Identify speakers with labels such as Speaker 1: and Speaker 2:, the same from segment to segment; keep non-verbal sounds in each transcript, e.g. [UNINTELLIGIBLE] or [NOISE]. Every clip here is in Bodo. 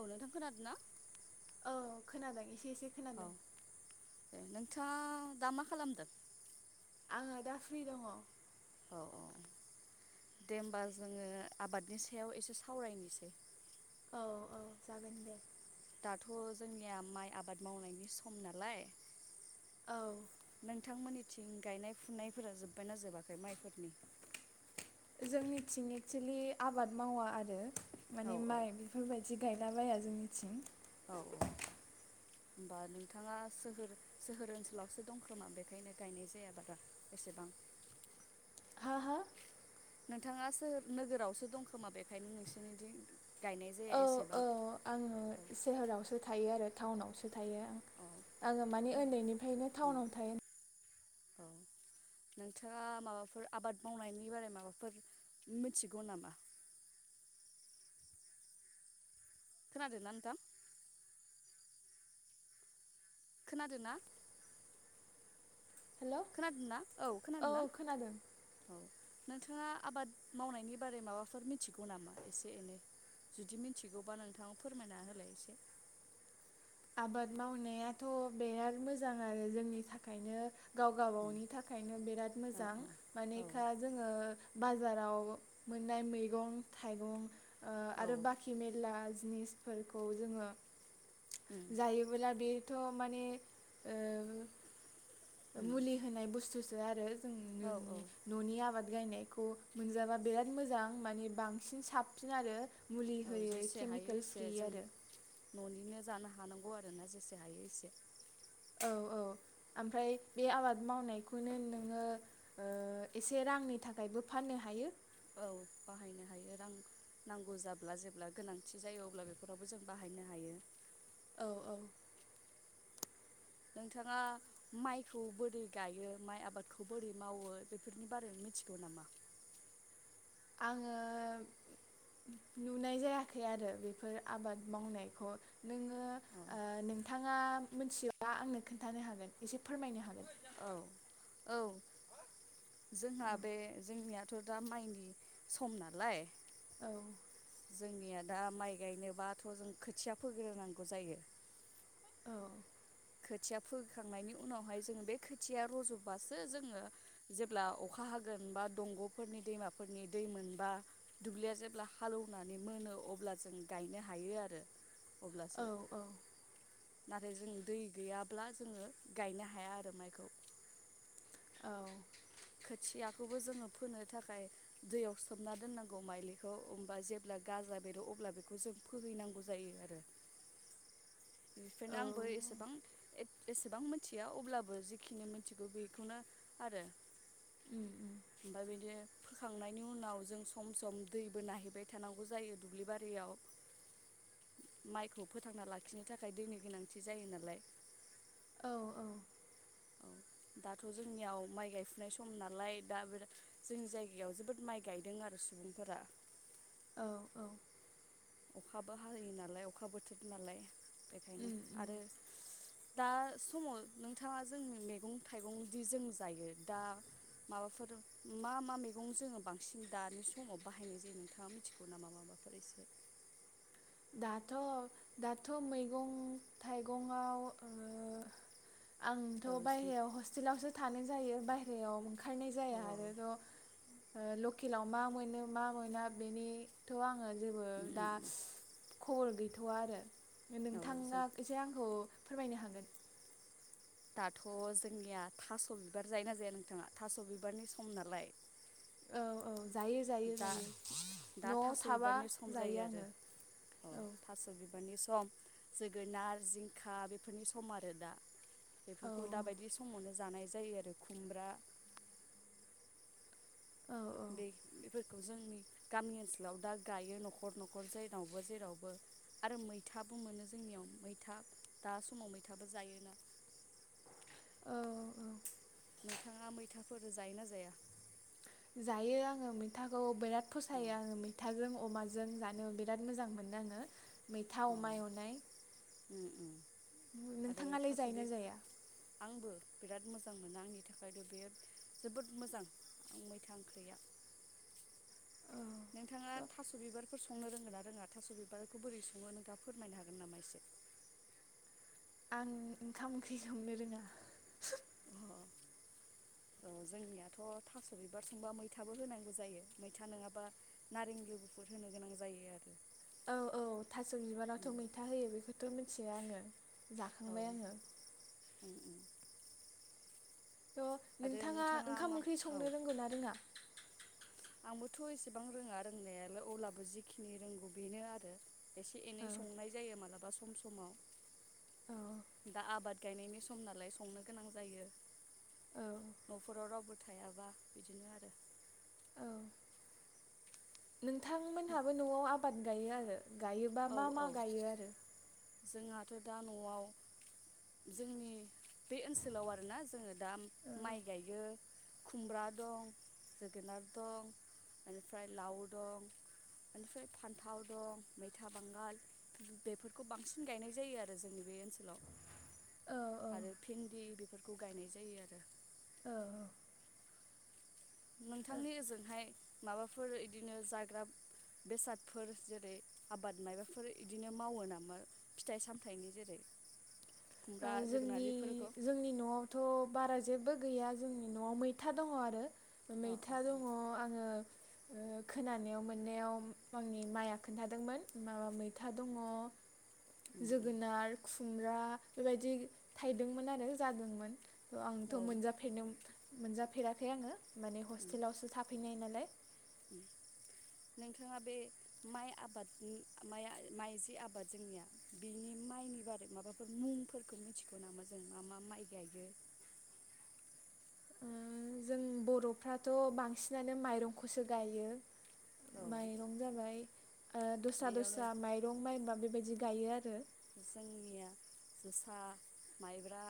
Speaker 1: औ नोंथां खोनादों ना
Speaker 2: औ खोनादों एसे एसे खोनादो
Speaker 1: बिथाङि दा मा खालामदों
Speaker 2: आङो दा फ्रि दङ
Speaker 1: औ औ दे होमबा जोङो आबादनि सायाव एसे सावरायनोसै
Speaker 2: औ औ जागोन दे
Speaker 1: दाथ' जोंनिया माइ आबाद मावनायनि सम नालाय
Speaker 2: औ
Speaker 1: नोंथांमोननि थिं गायनाय फुनायफोरा जोब्बायना जोबाखै माइफोरनि
Speaker 2: जोंनिथिं एक्सुलि आबाद मावा आरो
Speaker 1: औ
Speaker 2: माने
Speaker 1: औ
Speaker 2: माइ बेफोरबायदि गाय दाबाया जोंनिथिं
Speaker 1: औ औ होमबा नोंथाङा सोहोर सोहोर ओनसोलावसो दंखोमा बेखायनो गायनाय जाया बारा एसेबां
Speaker 2: हा हा
Speaker 1: नोंथाङा सोहोर नोगोरावसो दं खोमा बेखायनो नोंसोरनिथिं गायनाय जाया
Speaker 2: औ औ
Speaker 1: एसेबां
Speaker 2: आङो
Speaker 1: औ
Speaker 2: सोहोरावसो थायो थायो आरो टाउनावसो थायो
Speaker 1: औ
Speaker 2: आङो माने
Speaker 1: नो
Speaker 2: उन्दैनिफ्रायनो
Speaker 1: उम
Speaker 2: टाउनाव थायो
Speaker 1: औ नोंथाङा माबाफोर आबाद मावनायनि बारै माबाफोर मिथिगौ नामा खोनादो ना नोंथां खोनादो ना
Speaker 2: हेल'
Speaker 1: खोनादो ना औ खोनादो ना औ नोंथाङा आबाद मावनायनि बारै माबाफोर मिथिगौ नामा एसे एनै जुदि मिथिगौबा नोंथाङ फोरमायना होलाय एसे
Speaker 2: आबाद मावनायाथ' बिराद मोजां आरो जोंनि थाखायनो गाव
Speaker 1: औ
Speaker 2: गबावनि थाखायनो बिराद
Speaker 1: औ
Speaker 2: मोजां
Speaker 1: औ
Speaker 2: मानेखा जोङो बाजाराव मोननाय मैगं थाइगं
Speaker 1: औ
Speaker 2: आरो बाखि मेरला बिजनेसफोरखौ जोङो
Speaker 1: उम
Speaker 2: जायोबोब्ला बे थ' माने
Speaker 1: उम
Speaker 2: मुलि होनाय बुस्थु दा आरो जों
Speaker 1: औ औ
Speaker 2: न'नि आबाद गायनायखौ मोनजाबा बिराद मोजां माने बांसिन साबसिन आरो मुलि
Speaker 1: औ
Speaker 2: होयै
Speaker 1: जेसे हायो
Speaker 2: केमिकेल
Speaker 1: एसे
Speaker 2: फ्रि
Speaker 1: जों
Speaker 2: आरो
Speaker 1: न'निनो जानो हानांगौ आरो ना जेसे हायो एसे
Speaker 2: औ औ ओमफ्राय बे आबाद मावनायखौनो नोङो ओ एसे रांनि थाखायबो फाननो हायो
Speaker 1: औ बाहायनो हायो रां नांगौ जाब्ला जेब्ला गोनांथि जायो अब्ला बेफोरावबो जों बाहायनो हायो
Speaker 2: औ औ
Speaker 1: नोंथाङा माइखौ बोरै गायो माइ आबादखौ बोरै मावो बेफोरनि बारै मिथिगौ नामा?
Speaker 2: आङो नुनाय जायाखै आरो बेफोर आबाद मावनायखौ नोङो
Speaker 1: औ
Speaker 2: ओ नोंथाङा मिथिब्ला आंनो खोन्थानो हागोन एसे फोरमायनो हागोन।
Speaker 1: औ औ जोंहा बे जोंनियाथ' दा माइनि सम नालाय
Speaker 2: औ
Speaker 1: जोंनिया दा माइ गायनोबाथ' जों खोथिया फोग्रोनांगौ जायो
Speaker 2: औ
Speaker 1: खोथिया फोखांनायनि उनावहाय जोङो बे खोथिया रज'बासो जोङो जेब्ला अखा हागोन बा दंग'फोरनि दैमाफोरनि दै मोनबा दुब्लिया जेब्ला हालौवनानै मोनो अब्ला जों गायनो हायो आरो
Speaker 2: औ
Speaker 1: अब्लासो
Speaker 2: औ
Speaker 1: नाथाय जों दै गैयाब्ला जोङो गायनो हाया आरो माइखौ
Speaker 2: औ
Speaker 1: खोथियाखौबो जोङो फोनो थाखाय दैयाव सोमना दोननांगौ माइलिखौ होमबा जेब्ला गाजा बेरो अब्ला बेखौ जों फोहैनांगौ जायो आरो बेनिफ्रायनो
Speaker 2: औ
Speaker 1: आंबो एसेबां एसेबां मिथिया अब्लाबो जिखिनि मिथिगौ बेखौनो आरो
Speaker 2: उम उम
Speaker 1: [UNINTELLIGIBLE] फोखांनायनि उनाव जों सम सम दैबो नायहैबाय थानांगौ जायो दुब्लि बारियाव माइखौ फोथांना लाखि नो थाखाय दैनि गोनांथि जायो नालाय।
Speaker 2: औ औ
Speaker 1: औ दाथ' जोंनियाव माइ गायफुनाय सम नालाय दा बेर जोंनि जायगायाव जोबोद माइ गायदों आरो सुबुंफोरा
Speaker 2: औ औ
Speaker 1: अखाबो हायो नालाय अखा बोथोर नालाय बेखायनो
Speaker 2: उम उम
Speaker 1: आरो दा समाव नोंथाङा जों मैगं थाइगंदि जों जायो दा माबाफोर मा मा मैगं जोङो बांसिन दानि समाव बाहायनाय जायो नोंथाङा मिथिगौ नामा माबाफोर एसे?
Speaker 2: दाथ' दाथ' मैगं थाइगंआव आंथ'
Speaker 1: औ जों
Speaker 2: बायहेरायाव हस्टेलावसो थानाय जायो बायहेरायाव ओंखारनाय
Speaker 1: अ
Speaker 2: जाया आरोथ' ओ लकेलाव मा मोनो मा मोना बेनिथ' आङो जोबो
Speaker 1: उम उम
Speaker 2: दा
Speaker 1: उम
Speaker 2: खबर गैथ'वा आरो
Speaker 1: औ जों
Speaker 2: नोंथाङा एसे आंखौ फोरमायनो हागोन?
Speaker 1: दाथ' जोंनिया थास' बिबार जायो ना जाया नोंथाङा थास' बिबारनि सम नालाय।
Speaker 2: औ औ। जायो जायो
Speaker 1: दा
Speaker 2: जायो
Speaker 1: दा
Speaker 2: न'आव
Speaker 1: थास'
Speaker 2: थाबा
Speaker 1: बिबारनि सम
Speaker 2: जायो
Speaker 1: आरो
Speaker 2: आङो औ।
Speaker 1: थास' बिबारनि सम जोगोनार जिंखा बेफोरनि सम आरो दा।
Speaker 2: औ
Speaker 1: बेफोरखौ दाबायदि समावनो। जानाय जायो आरो खुमब्रा।
Speaker 2: औ
Speaker 1: दै बेफोरखौ जोंनि गामि ओनसोलाव दा गायो न'खर न'खर जायनावबो जेरावबो आरो मैथाबो मोनो जोंनियाव मैथा दा समाव मैथाबो जायोना।
Speaker 2: औ औ
Speaker 1: नोंथाङा मैथाफोर जायो ना जाया।
Speaker 2: जायो आङो मैथाखौ बिराद।
Speaker 1: अ
Speaker 2: फसायो आङो मैथाजों अमाजों। जों जानो बिराद मोजां मोनो आङो। मैथा अमा एवनाय।
Speaker 1: ओम ओम।
Speaker 2: नोंथाङालाय जायो ना जाया।
Speaker 1: आंबो बिराद मोजां मोनो आंनि थाखायथ' बे जोबोद मोजां आं मैथा ओंख्रिया।
Speaker 2: औ
Speaker 1: नोंथाङा थास' बिबारफोर संनो रोंगो ना रोङा थास' बिबारखौ बोरै सङो नोंथाङा फोरमायनो हागोन नामा एसे।
Speaker 2: आं ओंखाम ओंख्रि संनो रोङा।
Speaker 1: अ औ जोंनियाथ' थास' बिबार संबा मैथाबो होनांगौ जायो मैथा नङाबा नारें लिबु फोर होनो गोनां जायो आरो।
Speaker 2: औ औ थास' बिबारावथ'
Speaker 1: उम
Speaker 2: मैथा होयो बेखौथ' मोन [UNINTELLIGIBLE] आङो।
Speaker 1: औ
Speaker 2: जाखांबाय आङो।
Speaker 1: उम उम।
Speaker 2: थ'
Speaker 1: आरो
Speaker 2: नोंथाङा ओंखाम
Speaker 1: मा
Speaker 2: ओंख्रि
Speaker 1: औ
Speaker 2: संनो रोंगौ ना रोङा?
Speaker 1: आंबोथ' एसेबां रोङा रोंनायालाय अब्लाबो जिखिनि रोंगौ बेनो आरो। एसे एनै
Speaker 2: औ
Speaker 1: संनाय जायो मालाबा। बा सम समाव।
Speaker 2: औ
Speaker 1: दा आबाद। गायनायनि सम नालाय संनो गोनां जायो।
Speaker 2: औ
Speaker 1: न'फोराव रावबो। थायाबा बिदिनो आरो।
Speaker 2: औ नोंथांमोनहाबो न'आव आ बाद गायो आरो। गायोबा
Speaker 1: औ
Speaker 2: मा
Speaker 1: औ
Speaker 2: मा गायो आरो।
Speaker 1: जोंहाथ' दा न'आव जोंनि बे ओनसोलाव आरोना जोङो दा
Speaker 2: औ
Speaker 1: माइ गायो। खुमब्रा दं जोगोनार दं इनिफ्राय लाव दं इनिफ्राय फान्थाव दं मै था बांगाल बेफोरखौ बांसिन गायनाय जायो आरो जोंनि बे ओनसोलाव
Speaker 2: औ
Speaker 1: आरो भिन्दि बेफोरखौ गायनाय जायो आरो
Speaker 2: औ औ
Speaker 1: नोंथांनि ओजोंहाय माबाफोर इदिनो जाग्रा बेसादफोर जेरै आबाद मायाबाफोर इदिनो मावो नामा फिथाइ सामथायाइनि जेरै खुमब्रा जोगोनार
Speaker 2: जोंनि
Speaker 1: बेफोरखौ
Speaker 2: जोंनि न'आवथ' बारा जेबो गैया जोंनि न'आव मैथा दङ आरो
Speaker 1: अ
Speaker 2: मैथा
Speaker 1: अ
Speaker 2: दङ आरो ओ खोनानायाव मोननायाव आंनि माइआ खोन्थादोंमोन माबा मैथा दङ
Speaker 1: उम उम
Speaker 2: जोगोनार खुमब्रा बेबायदि थाइदोंमोन आरो जादोंमोन आंथ'
Speaker 1: औ उम
Speaker 2: मोनजाफेरनो मोनजाफेराखै आङो माने हस्टेलावसो थाफैनाय नालाय
Speaker 1: नोंथाङा बे माइ आबादनि माइ जि आबाद जोंनिया बिनि माइनि बारै माबाफोर मुंफोरखौ मिथिगौ नामा जों मा मा माइ गायो
Speaker 2: ओ जों बर'फ्राथ' बांसिनानो माइरंखौसो गायो
Speaker 1: औ
Speaker 2: माइरं जाबाय ओ दस्रा
Speaker 1: बेयावनो
Speaker 2: दस्रा माइरं माइबा बेबायदि गायो आरो
Speaker 1: जोंनिया जोसा माइब्रा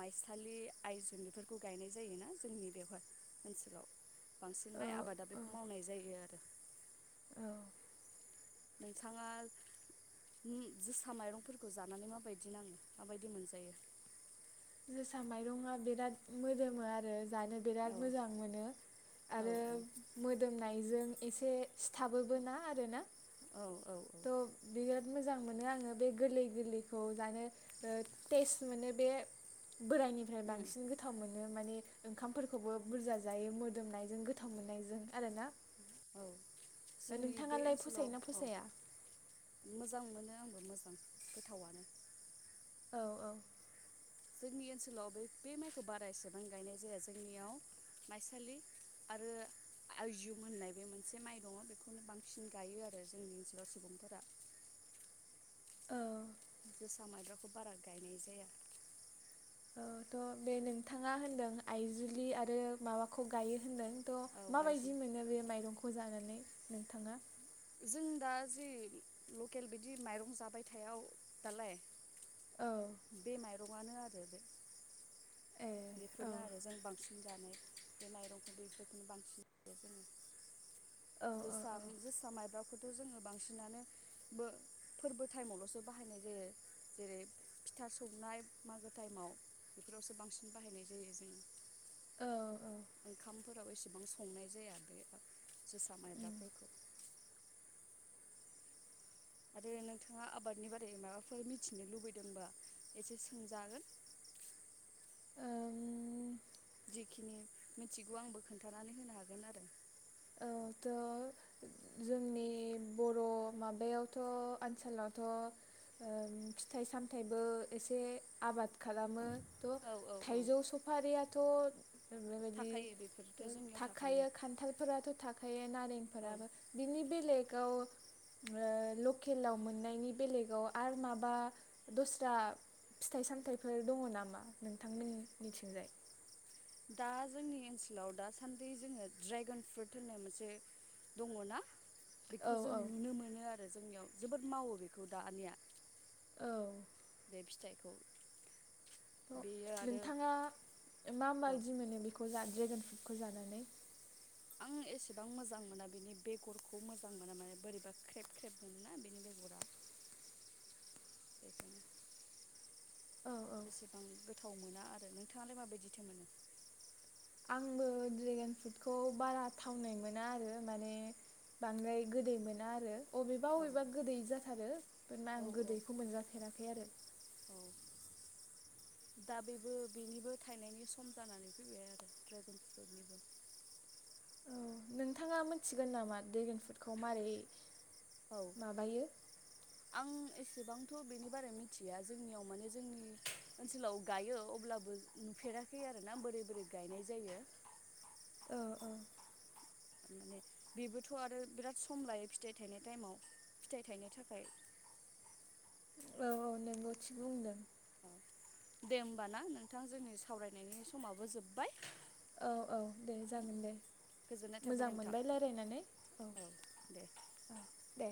Speaker 1: माइसालि आइजुन बेफोरखौ गायनाय जायोना जोंनि बेहाय ओनसोलाव बांसिन
Speaker 2: ओ
Speaker 1: माइ आबादा
Speaker 2: औ
Speaker 1: बेखौ मावनाय जायो आरो
Speaker 2: औ
Speaker 1: नोंथाङा जोसा माइरंफोरखौ जानानै माबायदि नाङो माबायदि मोनजायो
Speaker 2: जोसा माइरंआ बिराद मोदोमो आरो जानो
Speaker 1: औ
Speaker 2: बिराद मोजां मोनो
Speaker 1: औ
Speaker 2: आरो मोदोमनाय ओजों एसे सिथाबोबोना आरोना
Speaker 1: औ औ
Speaker 2: थ' बियो मोजां मोनो आङो बे गोरलै गोरलैखौ जानो टेस्ट मोनो बे बोरायनिफ्राय
Speaker 1: औ
Speaker 2: बांसिन गोथाव मोनो नो माने ओंखामफोरखौबो बुरजा जायो मोदोमनायजों गोथाव मोननायजों आरोना
Speaker 1: औ जोंनि बे
Speaker 2: नोंथाङालाय
Speaker 1: ओनसोलाव
Speaker 2: फसायोना
Speaker 1: औ
Speaker 2: फसाया
Speaker 1: मोजां मोनो आंबो मोजां गोथावनो
Speaker 2: औ औ
Speaker 1: जोंनि ओनसोलाव बे बे माइखौ बारा एसेबां गायनाय जाया जोंनियाव माइसालि आरो आयजुम होननाय बे मोनसे माइ दङ बेखौनो बांसिन गायो आरो जोंनि ओनसोलाव सुबुंफोरा
Speaker 2: औ
Speaker 1: जोसा मायब्राखौ बारा गायनाय जाया।
Speaker 2: ओ थ' बे नोंथाङा होनदों आइजुलि आरो माबाखौ गायो होनदों। थ'
Speaker 1: औ आइजुम
Speaker 2: माबायदि मोनो बे माइरंखौ जा नानै नोंथाङा?
Speaker 1: जों दा जि लकेल बिदि माइरं जाबायथायाव दालाय
Speaker 2: औ
Speaker 1: रंआनो आरो बे।
Speaker 2: ए औ
Speaker 1: बेफोरनो आरो जों बांसिन जानाय बे माइरंखौ बेखौनो बांसिन जायो जोङो।
Speaker 2: औ औ
Speaker 1: जोसा
Speaker 2: औ
Speaker 1: जोसा माय [INAUDIBLE] [UNINTELLIGIBLE] ब्राखौथ' जोङो बांसिनानो बो-फोरबो टाइमावल'सो बाहायनाय जायो जेरै फिथा संनाय मागो टाइमाव बेफोरावसो बांसिन बाहायनाय जायो जोङो।
Speaker 2: औ औ
Speaker 1: ओंखाम फोराव एसेबां संनाय जाया बे जोसा माइब्राफोरखौ। आरो नोंथाङा आबादनि बारै माबाफोर मिथिनो लुबैदोंबा एसे सोंजागोन।
Speaker 2: ओम
Speaker 1: जेखिनि मिथिगौ आंबो खोन्थानानै होनो हागोन आरो।
Speaker 2: औ थ' जोंनि बर' माबायावथ' ओनसोलावथ' फिथाइ ओ सामथाइबो एसे आबाद खालामो। थ
Speaker 1: औ औ औ
Speaker 2: थाइजौ सुफारियाथ' बेबायदि
Speaker 1: थाखायो बेफोरथ' जोंनियाव
Speaker 2: थाखायो खान्थाल फोराथ' थाखायो
Speaker 1: औ
Speaker 2: नारेंफोराबो बिनि बेलेगाव ओ लकेलाव मोननायनि बेलेगाव आरो माबा दस्रा फिथाइ सामथायाइफोर दङ नामा नोंथां मोननिथिंजाय?
Speaker 1: दा जोंनि ओनसोलाव दासान्दि जोङो ड्रेगन फ्रुट होननाय मोनसे दङ ना
Speaker 2: औ
Speaker 1: बेखौ जों
Speaker 2: औ
Speaker 1: नुनो मोनो आरो जोंनियाव जोबोद मावो बेखौ दानिया।
Speaker 2: औ
Speaker 1: बे फिथाइखौ बेयो
Speaker 2: थ'
Speaker 1: आरो
Speaker 2: नोंथाङा मा
Speaker 1: औ
Speaker 2: मायदि मोनो बेखौ जा ड्रेगन फ्रुट खौ जानानै?
Speaker 1: आं एसेबां मोजां मोना बिनि बेगरखौ मोजां मोना माने बोरैबा ख्रेब ख्रेब मोनोना बेनि बेगरा बेखायनो।
Speaker 2: औ औ
Speaker 1: एसेबां गोबाव गोथाव मोना आरो नोंथाङालाय माबायदिथो मोनो?
Speaker 2: आंबो ड्रेगान फ्रुटखौ बारा थावनाय मोना आरो माने बांद्राय गोदै मोना आरो। अबेबा
Speaker 1: औ
Speaker 2: अबेबा गोदै जा थारो
Speaker 1: औ
Speaker 2: आं
Speaker 1: औ
Speaker 2: गोदैखौ मोनजाफेराखै आरो।
Speaker 1: औ दा बेबो बेनिबो थायनायनि सम जानानै फैबाय आरो ड्रेगन फ्रुटनिबो।
Speaker 2: औ नोंथाङा मिथिगोन नामा ड्रेगेन फ्रुडखौ मारै?
Speaker 1: औ
Speaker 2: माबायो
Speaker 1: आं एसेबांथ' बेनि बारै मिथिया जोंनियाव माने जोंनि ओनसोलाव गायो अब्लाबो नुफेराखै आरो ना बोरै बोरै गायनाय जायो?
Speaker 2: ओ ओ
Speaker 1: माने बेबोथ' आरो बिराद सम लायो फिथाइ थायनाय टाइमाव फिथायाइ थायनो थाखाय
Speaker 2: औ औ नोंगौ थिग बुंदों
Speaker 1: औ दे होमबा ना नोंथां जोंनि सावरायनायनि समाबो जोब
Speaker 2: औ औ दे जागोन दे
Speaker 1: गोजोननाय थाबाय
Speaker 2: मोजां
Speaker 1: नोंथां
Speaker 2: मोनबाय रायलायनानै औ औ दे।